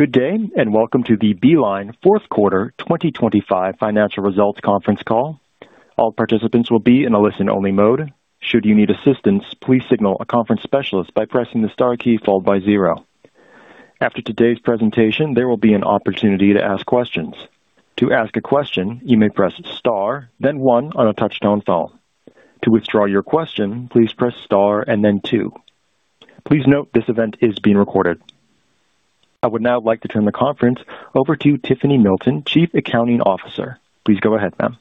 Good day, and welcome to the Beeline fourth quarter 2025 financial results conference call. All participants will be in a listen-only mode. Should you need assistance, please signal a conference specialist by pressing the star key followed by zero. After today's presentation, there will be an opportunity to ask questions. To ask a question, you may press star then one on a touch-tone phone. To withdraw your question, please press star and then two. Please note this event is being recorded. I would now like to turn the conference over to Tiffany Milton, Chief Accounting Officer. Please go ahead, ma'am.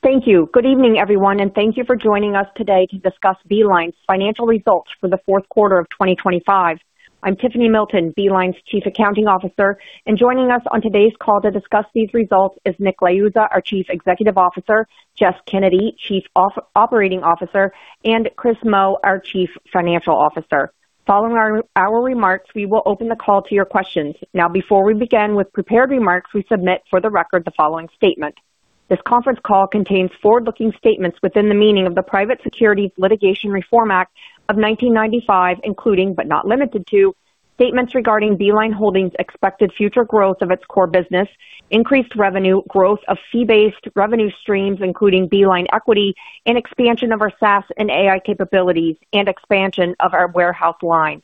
Thank you. Good evening, everyone, and thank you for joining us today to discuss Beeline's financial results for the fourth quarter of 2025. I'm Tiffany Milton, Beeline's Chief Accounting Officer. Joining us on today's call to discuss these results is Nick Liuzza, our Chief Executive Officer, Jess Kennedy, Chief Operating Officer, and Chris Moe, our Chief Financial Officer. Following our remarks, we will open the call to your questions. Now, before we begin with prepared remarks, we submit for the record the following statement. This conference call contains forward-looking statements within the meaning of the Private Securities Litigation Reform Act of 1995, including, but not limited to, statements regarding Beeline Holdings' expected future growth of its core business, increased revenue, growth of fee-based revenue streams including BeelineEquity and expansion of our SaaS and AI capabilities and expansion of our warehouse lines.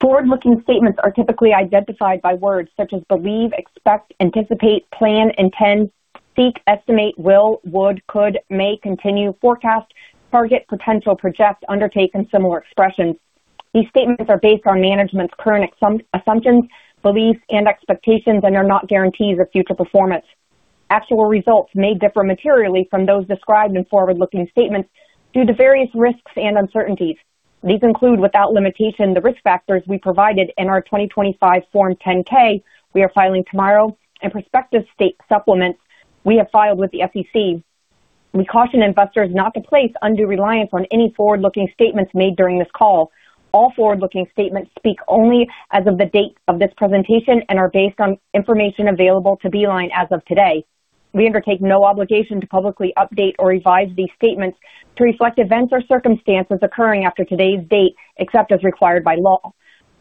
Forward-looking statements are typically identified by words such as believe, expect, anticipate, plan, intend, seek, estimate, will, would, could, may, continue, forecast, target, potential, project, undertake and similar expressions. These statements are based on management's current assumptions, beliefs and expectations and are not guarantees of future performance. Actual results may differ materially from those described in forward-looking statements due to various risks and uncertainties. These include, without limitation, the risk factors we provided in our 2025 Form 10-K we are filing tomorrow and prospectus supplements we have filed with the SEC. We caution investors not to place undue reliance on any forward-looking statements made during this call. All forward-looking statements speak only as of the date of this presentation and are based on information available to Beeline as of today. We undertake no obligation to publicly update or revise these statements to reflect events or circumstances occurring after today's date, except as required by law.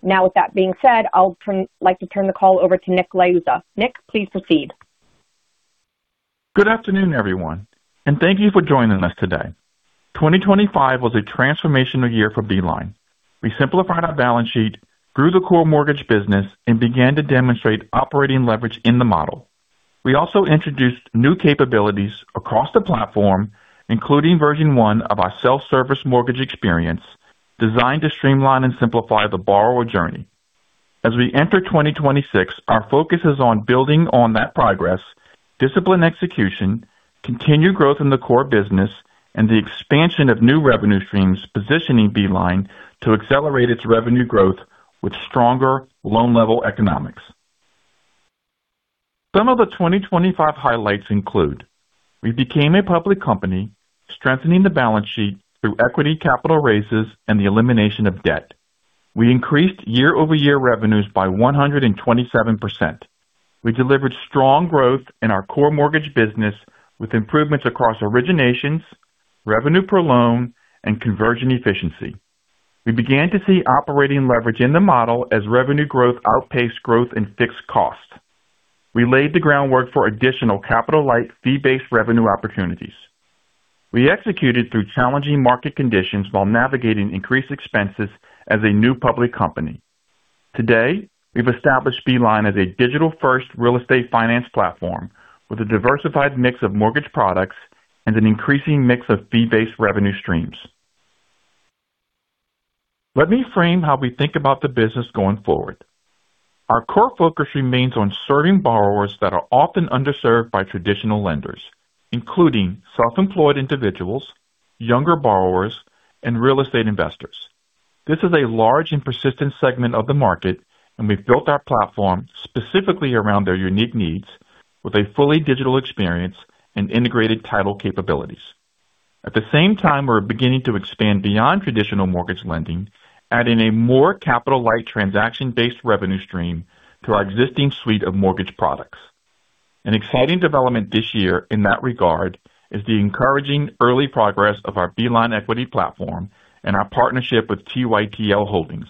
Now, with that being said, I'll turn the call over to Nick Liuzza. Nick, please proceed. Good afternoon, everyone, and thank you for joining us today. 2025 was a transformational year for Beeline. We simplified our balance sheet, grew the core mortgage business and began to demonstrate operating leverage in the model. We also introduced new capabilities across the platform, including version one of our self-service mortgage experience, designed to streamline and simplify the borrower journey. As we enter 2026, our focus is on building on that progress, disciplined execution, continued growth in the core business and the expansion of new revenue streams, positioning Beeline to accelerate its revenue growth with stronger loan-level economics. Some of the 2025 highlights include. We became a public company, strengthening the balance sheet through equity capital raises and the elimination of debt. We increased year-over-year revenues by 127%. We delivered strong growth in our core mortgage business with improvements across originations, revenue per loan and conversion efficiency. We began to see operating leverage in the model as revenue growth outpaced growth in fixed costs. We laid the groundwork for additional capital-light, fee-based revenue opportunities. We executed through challenging market conditions while navigating increased expenses as a new public company. Today, we've established Beeline as a digital-first real estate finance platform with a diversified mix of mortgage products and an increasing mix of fee-based revenue streams. Let me frame how we think about the business going forward. Our core focus remains on serving borrowers that are often underserved by traditional lenders, including self-employed individuals, younger borrowers and real estate investors. This is a large and persistent segment of the market, and we've built our platform specifically around their unique needs with a fully digital experience and integrated title capabilities. At the same time, we're beginning to expand beyond traditional mortgage lending, adding a more capital-light transaction-based revenue stream to our existing suite of mortgage products. An exciting development this year in that regard is the encouraging early progress of our BeelineEquity platform and our partnership with TYTL Holdings.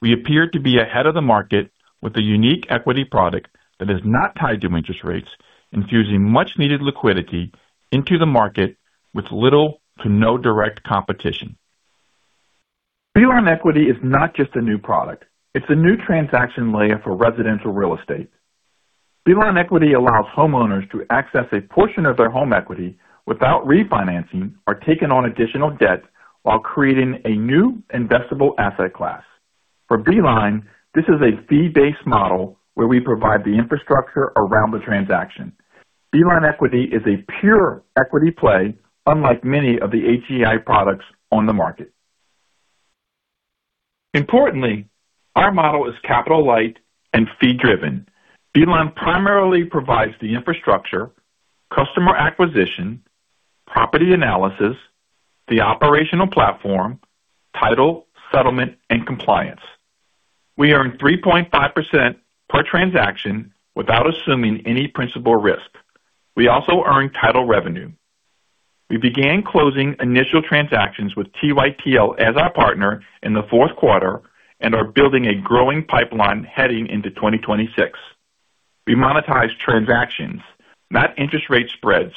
We appear to be ahead of the market with a unique equity product that is not tied to interest rates, infusing much-needed liquidity into the market with little to no direct competition. BeelineEquity is not just a new product. It's a new transaction layer for residential real estate. BeelineEquity allows homeowners to access a portion of their home equity without refinancing or taking on additional debt while creating a new investable asset class. For Beeline, this is a fee-based model where we provide the infrastructure around the transaction. BeelineEquity is a pure equity play unlike many of the HEI products on the market. Importantly, our model is capital light and fee driven. Beeline primarily provides the infrastructure, customer acquisition, property analysis, the operational platform, title, settlement and compliance. We earn 3.5% per transaction without assuming any principal risk. We also earn title revenue. We began closing initial transactions with TYTL as our partner in the fourth quarter and are building a growing pipeline heading into 2026. We monetize transactions, not interest rate spreads,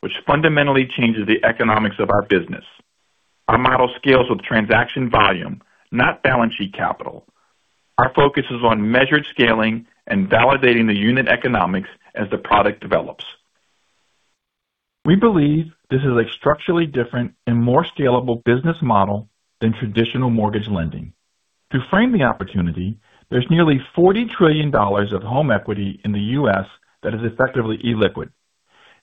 which fundamentally changes the economics of our business. Our model scales with transaction volume, not balance sheet capital. Our focus is on measured scaling and validating the unit economics as the product develops. We believe this is a structurally different and more scalable business model than traditional mortgage lending. To frame the opportunity, there's nearly $40 trillion of home equity in the U.S. that is effectively illiquid.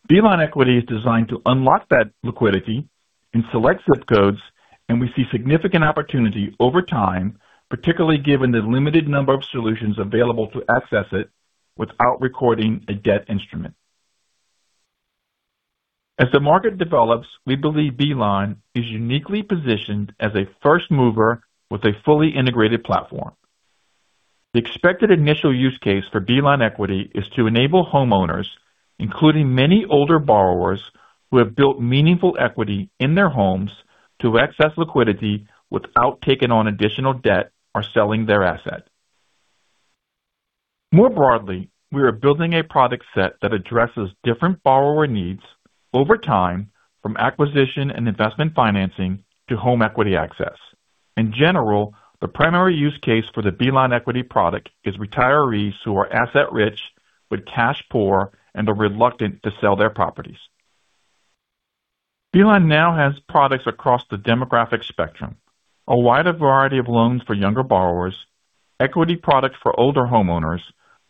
BeelineEquity is designed to unlock that liquidity in select ZIP Codes, and we see significant opportunity over time, particularly given the limited number of solutions available to access it without recording a debt instrument. As the market develops, we believe Beeline is uniquely positioned as a first mover with a fully integrated platform. The expected initial use case for BeelineEquity is to enable homeowners, including many older borrowers who have built meaningful equity in their homes, to access liquidity without taking on additional debt or selling their asset. More broadly, we are building a product set that addresses different borrower needs over time, from acquisition and investment financing to home equity access. In general, the primary use case for the BeelineEquity product is retirees who are asset rich but cash poor and are reluctant to sell their properties. Beeline now has products across the demographic spectrum, a wider variety of loans for younger borrowers, equity products for older homeowners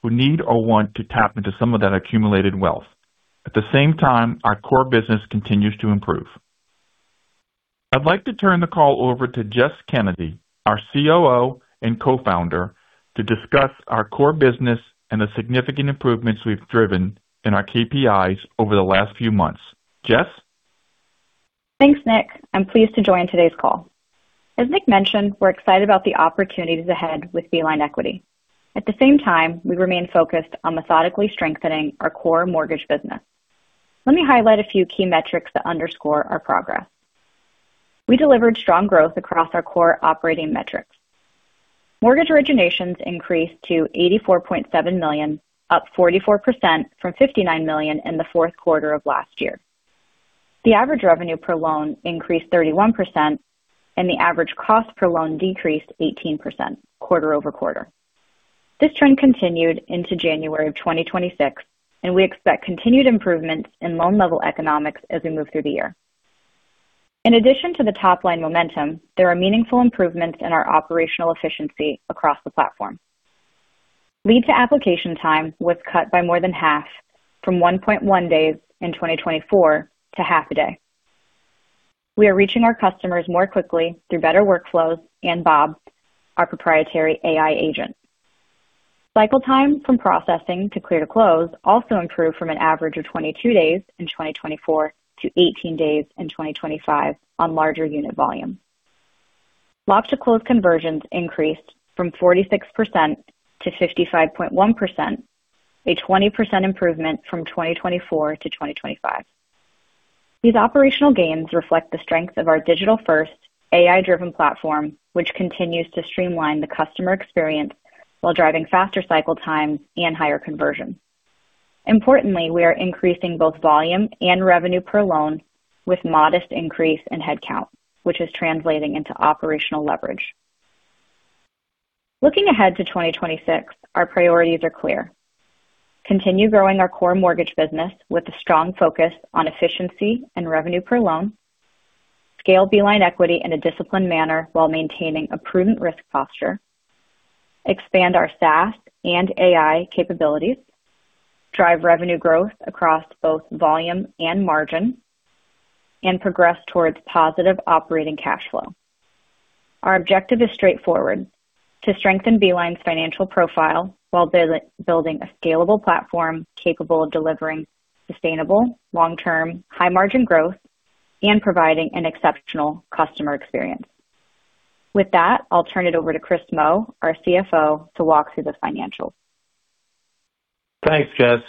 who need or want to tap into some of that accumulated wealth. At the same time, our core business continues to improve. I'd like to turn the call over to Jess Kennedy, our COO and Co-Founder, to discuss our core business and the significant improvements we've driven in our KPIs over the last few months. Jess. Thanks, Nick. I'm pleased to join today's call. As Nick mentioned, we're excited about the opportunities ahead with BeelineEquity. At the same time, we remain focused on methodically strengthening our core mortgage business. Let me highlight a few key metrics that underscore our progress. We delivered strong growth across our core operating metrics. Mortgage originations increased to $84.7 million, up 44% from $59 million in the fourth quarter of last year. The average revenue per loan increased 31% and the average cost per loan decreased 18% quarter-over-quarter. This trend continued into January 2026, and we expect continued improvements in loan level economics as we move through the year. In addition to the top line momentum, there are meaningful improvements in our operational efficiency across the platform. Lead to application time was cut by more than half from 1.1 days in 2024 to half a day. We are reaching our customers more quickly through better workflows and Bob, our proprietary AI agent. Cycle time from processing to clear to close also improved from an average of 22 days in 2024 to 18 days in 2025 on larger unit volume. Lock to close conversions increased from 46%-55.1%, a 20% improvement from 2024 to 2025. These operational gains reflect the strength of our digital-first AI-driven platform, which continues to streamline the customer experience while driving faster cycle times and higher conversion. Importantly, we are increasing both volume and revenue per loan with modest increase in headcount, which is translating into operational leverage. Looking ahead to 2026, our priorities are clear. Continue growing our core mortgage business with a strong focus on efficiency and revenue per loan. Scale BeelineEquity in a disciplined manner while maintaining a prudent risk posture. Expand our SaaS and AI capabilities. Drive revenue growth across both volume and margin. Progress towards positive operating cash flow. Our objective is straightforward: to strengthen Beeline's financial profile while building a scalable platform capable of delivering sustainable, long-term, high-margin growth and providing an exceptional customer experience. With that, I'll turn it over to Chris Moe, our CFO, to walk through the financials. Thanks, Jess.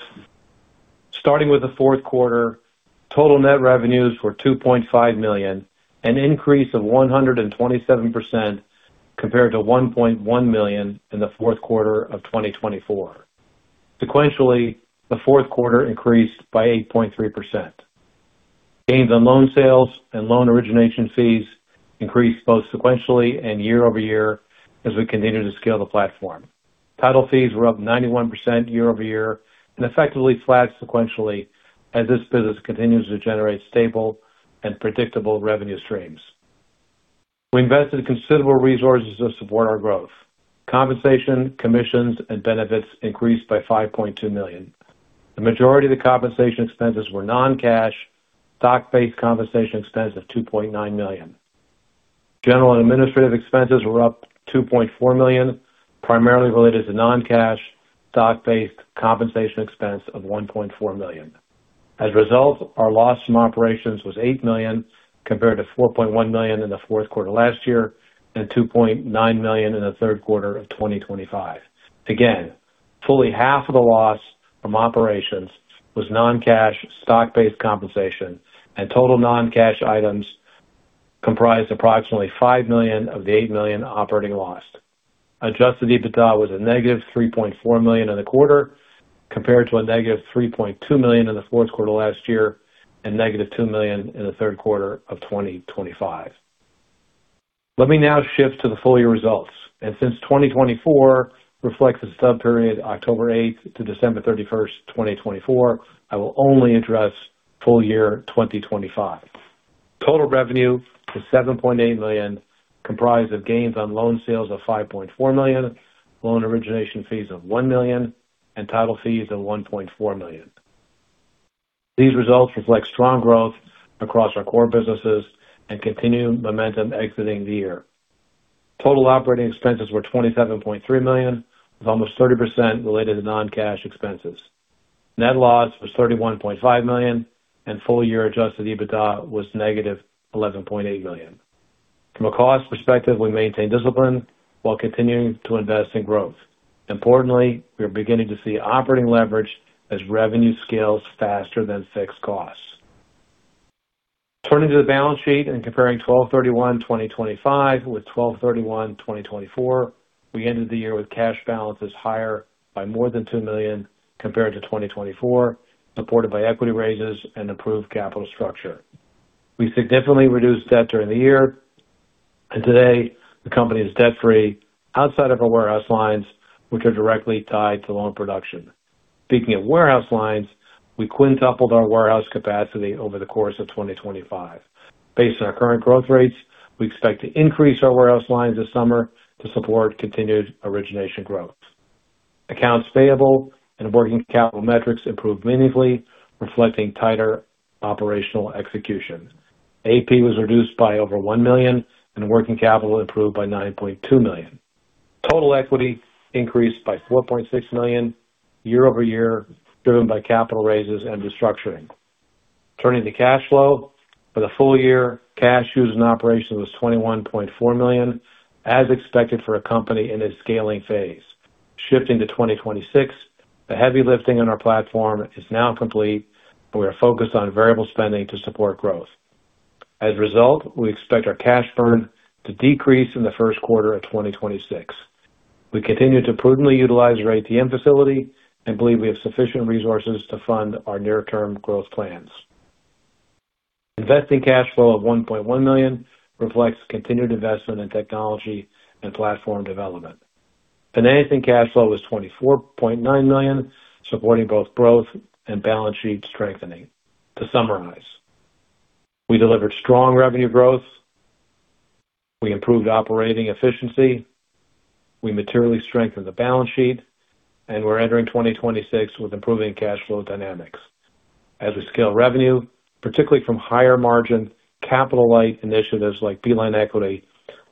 Starting with the fourth quarter, total net revenues were $2.5 million, an increase of 127% compared to $1.1 million in the fourth quarter of 2024. Sequentially, the fourth quarter increased by 8.3%. Gains on loan sales and loan origination fees increased both sequentially and year-over-year as we continue to scale the platform. Title fees were up 91% year-over-year and effectively flat sequentially as this business continues to generate stable and predictable revenue streams. We invested considerable resources to support our growth. Compensation, commissions, and benefits increased by $5.2 million. The majority of the compensation expenses were non-cash, stock-based compensation expense of $2.9 million. General and administrative expenses were up $2.4 million, primarily related to non-cash stock-based compensation expense of $1.4 million. As a result, our loss from operations was $8 million, compared to $4.1 million in the fourth quarter last year and $2.9 million in the third quarter of 2025. Fully half of the loss from operations was non-cash stock-based compensation, and total non-cash items comprised approximately $5 million of the $8 million operating loss. Adjusted EBITDA was a -$3.4 million in the quarter compared to a -$3.2 million in the fourth quarter last year and -$2 million in the third quarter of 2025. Let me now shift to the full year results. Since 2024 reflects the sub-period October 8 to December 31, 2024, I will only address full year 2025. Total revenue is $7.8 million, comprised of gains on loan sales of $5.4 million, loan origination fees of $1 million, and title fees of $1.4 million. These results reflect strong growth across our core businesses and continued momentum exiting the year. Total operating expenses were $27.3 million, with almost 30% related to non-cash expenses. Net loss was $31.5 million and full-year adjusted EBITDA was -$11.8 million. From a cost perspective, we maintain discipline while continuing to invest in growth. Importantly, we are beginning to see operating leverage as revenue scales faster than fixed costs. Turning to the balance sheet and comparing December 31, 2025 with December 31, 2024, we ended the year with cash balances higher by more than $2 million compared to 2024, supported by equity raises and improved capital structure. We significantly reduced debt during the year and today the company is debt-free outside of our warehouse lines which are directly tied to loan production. Speaking of warehouse lines, we quintupled our warehouse capacity over the course of 2025. Based on our current growth rates, we expect to increase our warehouse lines this summer to support continued origination growth. Accounts payable and working capital metrics improved meaningfully, reflecting tighter operational execution. AP was reduced by over $1 million and working capital improved by $9.2 million. Total equity increased by $4.6 million year-over-year, driven by capital raises and restructuring. Turning to cash flow. For the full year, cash used in operations was $21.4 million, as expected for a company in a scaling phase. Shifting to 2026, the heavy lifting on our platform is now complete. We are focused on variable spending to support growth. As a result, we expect our cash burn to decrease in the first quarter of 2026. We continue to prudently utilize our ATM facility and believe we have sufficient resources to fund our near-term growth plans. Investing cash flow of $1.1 million reflects continued investment in technology and platform development. Financing cash flow was $24.9 million, supporting both growth and balance sheet strengthening. To summarize, we delivered strong revenue growth. We improved operating efficiency. We materially strengthened the balance sheet and we're entering 2026 with improving cash flow dynamics. As we scale revenue, particularly from higher margin capital-light initiatives like BeelineEquity,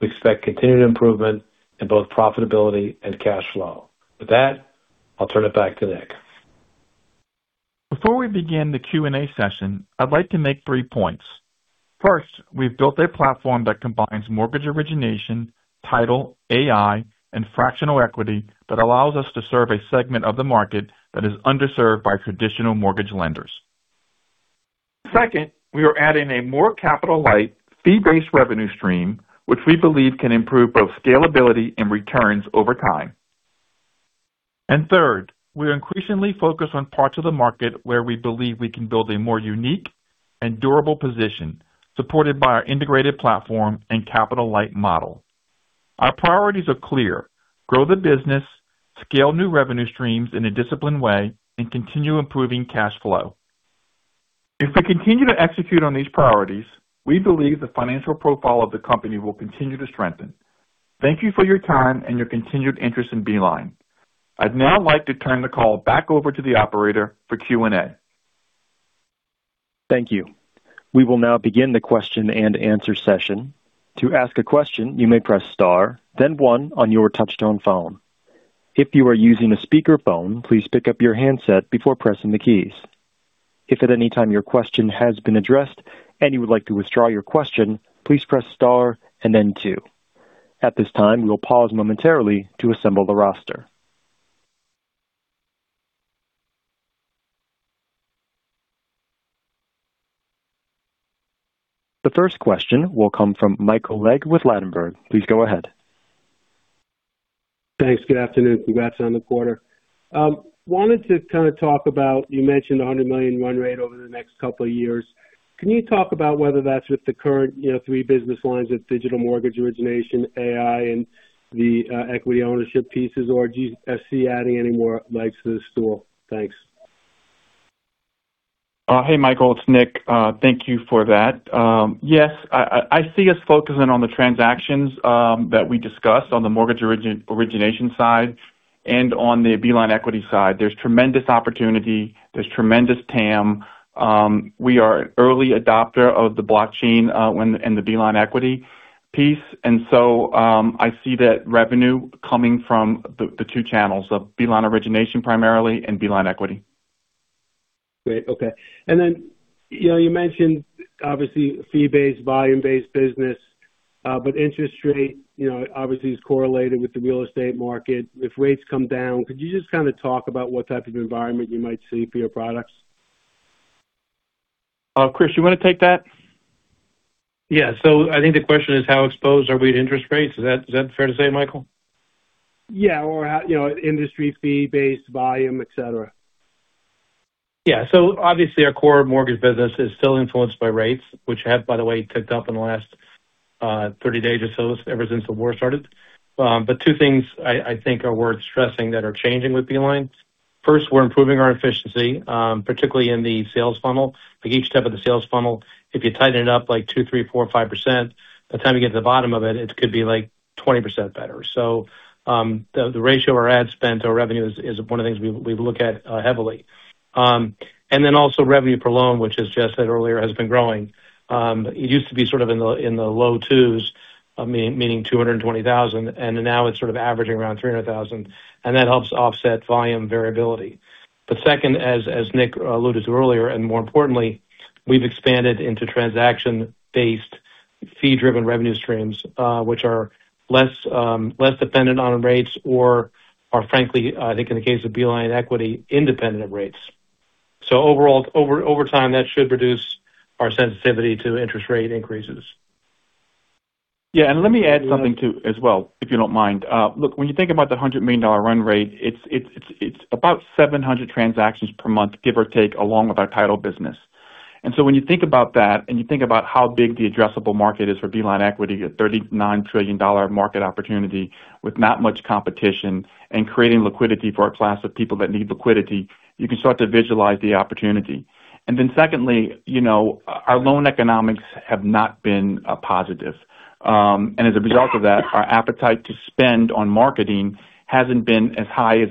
we expect continued improvement in both profitability and cash flow. With that, I'll turn it back to Nick. Before we begin the Q&A session, I'd like to make three points. First, we've built a platform that combines mortgage origination, title, AI, and fractional equity that allows us to serve a segment of the market that is underserved by traditional mortgage lenders. Second, we are adding a more capital-light fee-based revenue stream, which we believe can improve both scalability and returns over time. Third, we are increasingly focused on parts of the market where we believe we can build a more unique and durable position supported by our integrated platform and capital-light model. Our priorities are clear. Grow the business, scale new revenue streams in a disciplined way, and continue improving cash flow. If we continue to execute on these priorities, we believe the financial profile of the company will continue to strengthen. Thank you for your time and your continued interest in Beeline. I'd now like to turn the call back over to the operator for Q&A. Thank you. We will now begin the question-and-answer session. To ask a question, you may press star then one on your touchtone phone. If you are using a speakerphone, please pick up your handset before pressing the keys. If at any time your question has been addressed and you would like to withdraw your question, please press star and then two. At this time, we will pause momentarily to assemble the roster. The first question will come from Michael Legg with Ladenburg. Please go ahead. Thanks. Good afternoon. Congrats on the quarter. Wanted to kind of talk about, you mentioned a $100 million run rate over the next couple of years. Can you talk about whether that's with the current, you know, three business lines of digital mortgage origination, AI, and the equity ownership pieces, or do you foresee adding any more legs to the stool? Thanks. Hey, Michael, it's Nick. Thank you for that. Yes, I see us focusing on the transactions that we discussed on the mortgage origination side and on the BeelineEquity side. There's tremendous opportunity. There's tremendous TAM. We are an early adopter of the blockchain in the BeelineEquity piece. I see that revenue coming from the two channels of Beeline origination primarily and BeelineEquity. Great. Okay. Then, you know, you mentioned obviously fee-based, volume-based business, but interest rate, you know, obviously is correlated with the real estate market if rates come down. Could you just kinda talk about what type of environment you might see for your products? Chris, you wanna take that? Yeah. I think the question is how exposed are we to interest rates? Is that fair to say, Michael? Yeah. How, you know, industry fee-based, volume, etc. Yeah. Obviously our core mortgage business is still influenced by rates which have, by the way, ticked up in the last 30 days or so ever since the war started. But two things I think are worth stressing that are changing with Beeline. First, we're improving our efficiency, particularly in the sales funnel. Like each step of the sales funnel, if you tighten it up like 2%, 3%, 4%, 5%, by the time you get to the bottom of it could be like 20% better. The ratio of our ad spend to our revenue is one of the things we look at heavily. And then also revenue per loan, which as Jess said earlier, has been growing. It used to be sort of in the low twos, meaning 220,000, and then now it's sort of averaging around 300,000, and that helps offset volume variability. Second, as Nick alluded to earlier, and more importantly, we've expanded into transaction-based fee-driven revenue streams, which are less dependent on rates or are frankly, I think in the case of BeelineEquity, independent of rates. Overall, over time, that should reduce our sensitivity to interest rate increases. Yeah. Let me add something too as well, if you don't mind. Look, when you think about the $100 million run rate, it's about 700 transactions per month, give or take, along with our title business. When you think about that and you think about how big the addressable market is for BeelineEquity, a $39 trillion market opportunity with not much competition and creating liquidity for a class of people that need liquidity, you can start to visualize the opportunity. Then secondly, you know, our loan economics have not been positive. As a result of that, our appetite to spend on marketing hasn't been as high as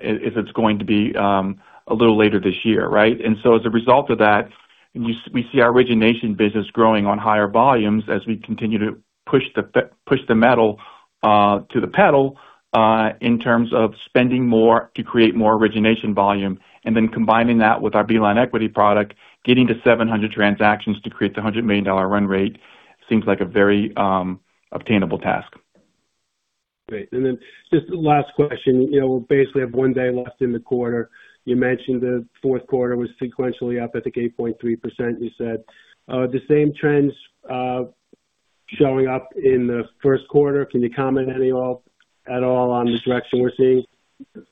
it's going to be a little later this year, right? As a result of that, we see our origination business growing on higher volumes as we continue to put the pedal to the metal in terms of spending more to create more origination volume, and then combining that with our BeelineEquity product, getting to 700 transactions to create the $100 million run rate seems like a very obtainable task. Great. Just last question. You know, we basically have one day left in the quarter. You mentioned the fourth quarter was sequentially up, I think 8.3%, you said. Are the same trends showing up in the first quarter? Can you comment at all on the direction we're seeing?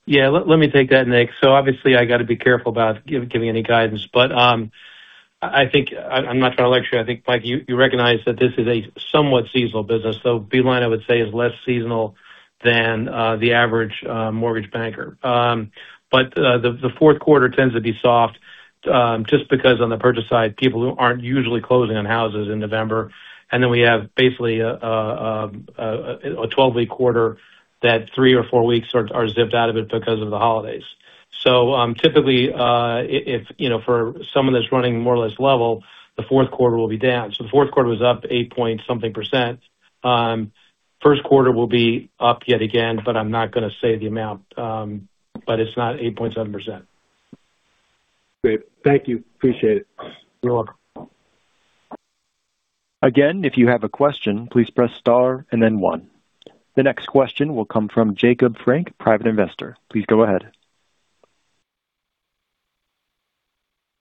Yeah, let me take that, Nick. Obviously I gotta be careful about giving any guidance, but I think I'm not gonna lecture you. I think, Mike, you recognize that this is a somewhat seasonal business. Beeline, I would say, is less seasonal than the average mortgage banker. The fourth quarter tends to be soft just because on the purchase side, people aren't usually closing on houses in November. We have basically a 12-week quarter that three or four weeks are zipped out of it because of the holidays. Typically, if you know, for someone that's running more or less level, the fourth quarter will be down. The fourth quarter was up eight point something percent. First quarter will be up yet again, but I'm not gonna say the amount. It's not 8.7%. Great. Thank you. Appreciate it. You're welcome. Again, if you have a question, please press star and then one. The next question will come from Jacob Frank, Private Investor. Please go ahead.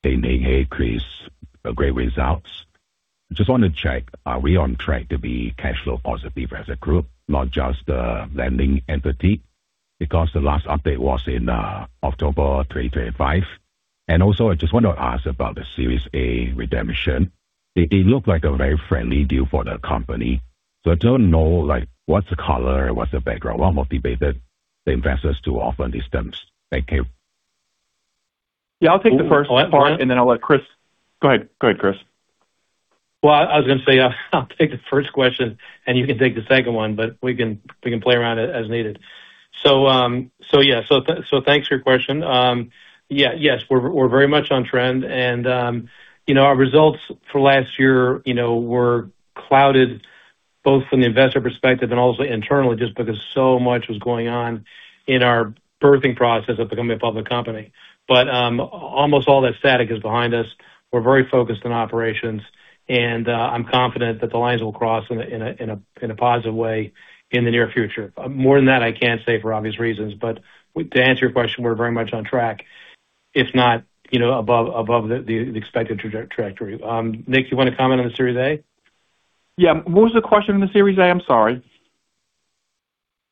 Hey, Nick. Hey, Chris. Great results. Just wanted to check, are we on track to be cash flow positive as a group, not just the lending entity? Because the last update was in October 2025. I just wanted to ask about the Series A redemption. It looked like a very friendly deal for the company. I don't know, like, what's the color, what's the background, what motivated the investors to offer these terms? Thank you. Yeah, I'll take the first part and then I'll let Chris. Go ahead. Go ahead, Chris. Well, I was gonna say, I'll take the first question and you can take the second one, but we can play around as needed. So yeah, thanks for your question. Yeah. Yes, we're very much on trend. You know, our results for last year, you know, were clouded both from the investor perspective and also internally just because so much was going on in our birthing process of becoming a public company. Almost all that static is behind us. We're very focused on operations and I'm confident that the lines will cross in a positive way in the near future. More than that, I can't say for obvious reasons, but to answer your question, we're very much on track, if not, you know, above the expected trajectory. Nick, you wanna comment on the Series A? Yeah. What was the question on the Series A? I'm sorry.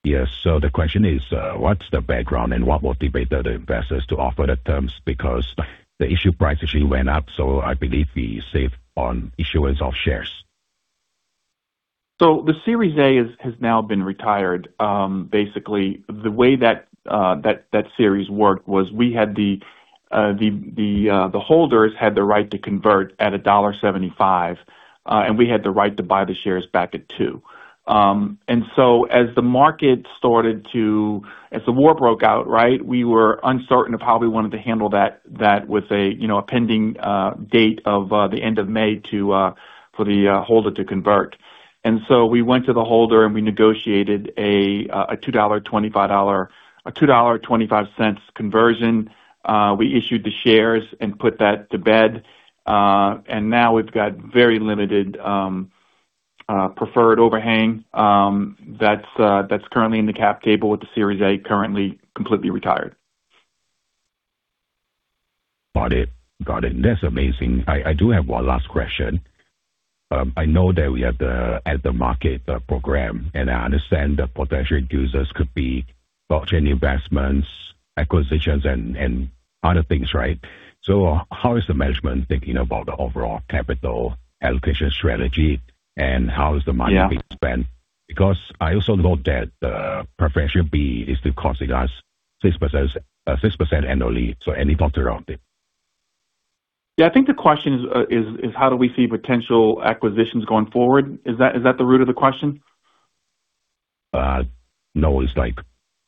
Yes. The question is, what's the background and what motivated the investors to offer the terms? Because the issue price actually went up, so I believe we saved on issuance of shares. The Series A has now been retired. Basically, the way that series worked was we had the holders had the right to convert at $1.75, and we had the right to buy the shares back at $2. As the war broke out, right, we were uncertain of how we wanted to handle that with a, you know, a pending date of the end of May for the holder to convert. We went to the holder and we negotiated a $2.25 conversion. We issued the shares and put that to bed. We've got very limited preferred overhang that's currently in the cap table with the Series A currently completely retired. Got it. That's amazing. I do have one last question. I know that we have the at-the-market program, and I understand the potential uses could be blockchain investments, acquisitions and other things, right? How is the management thinking about the overall capital allocation strategy and how is the money- Yeah. being spent? Because I also note that the Series B is still costing us 6% annually, so any thoughts around it? Yeah. I think the question is how do we see potential acquisitions going forward? Is that the root of the question? No. It's like,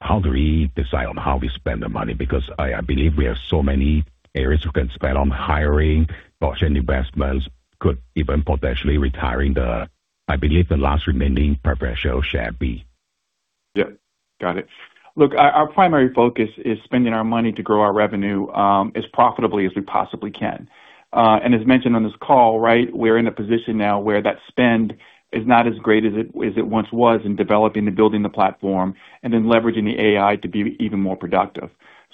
how do we decide on how we spend the money? Because I believe we have so many areas we can spend on hiring, blockchain investments, could even potentially retiring the, I believe, the last remaining preferred Series B. Yeah. Got it. Look, our primary focus is spending our money to grow our revenue as profitably as we possibly can. As mentioned on this call, right, we're in a position now where that spend is not as great as it once was in developing and building the platform and then leveraging the AI to be even more productive.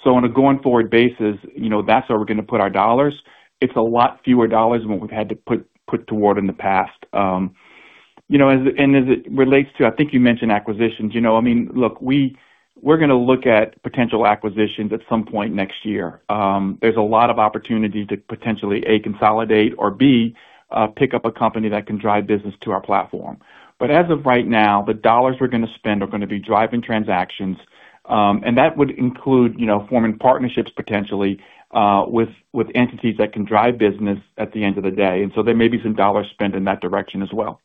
On a going forward basis, you know, that's where we're gonna put our dollars. It's a lot fewer dollars than what we've had to put toward in the past. You know, as it relates to, I think you mentioned acquisitions, you know, I mean, look, we're gonna look at potential acquisitions at some point next year. There's a lot of opportunity to potentially, A, consolidate or, B, pick up a company that can drive business to our platform. As of right now, the dollars we're gonna spend are gonna be driving transactions, and that would include, you know, forming partnerships potentially, with entities that can drive business at the end of the day. There may be some dollars spent in that direction as well.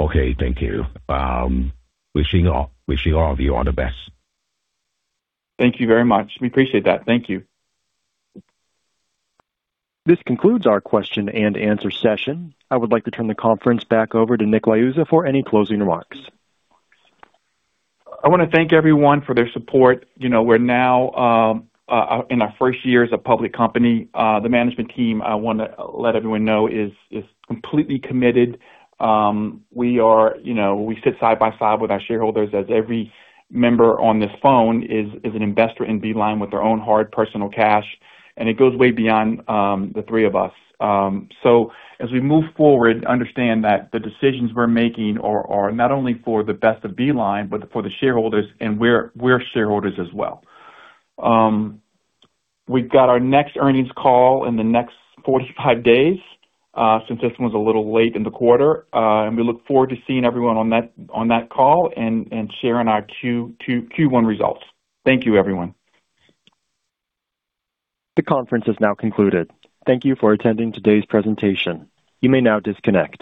Okay. Thank you. Wishing all of you all the best. Thank you very much. We appreciate that. Thank you. This concludes our question and answer session. I would like to turn the conference back over to Nick Liuzza for any closing remarks. I wanna thank everyone for their support. You know, we're now in our first year as a public company. The management team, I wanna let everyone know, is completely committed. We are, you know, we sit side by side with our shareholders as every member on this phone is an investor in Beeline with their own hard personal cash, and it goes way beyond the three of us. As we move forward, understand that the decisions we're making are not only for the best of Beeline, but for the shareholders, and we're shareholders as well. We've got our next earnings call in the next 45 days, since this one's a little late in the quarter. We look forward to seeing everyone on that call and sharing our Q1 results. Thank you, everyone. The conference has now concluded. Thank you for attending today's presentation. You may now disconnect.